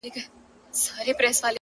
• دا د مشکو رباتونه خُتن زما دی,